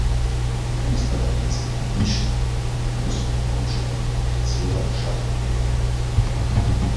Die ist allerdings eher Nische und muss unter Umständen komplizierter beschafft werden.